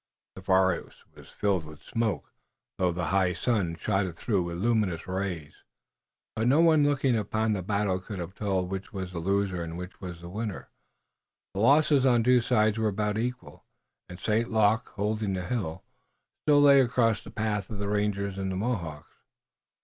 The forest was filled with smoke, though the high sun shot it through with luminous rays. But no one looking upon the battle could have told which was the loser and which the winner. The losses on the two sides were about equal, and St. Luc, holding the hill, still lay across the path of rangers and Mohawks.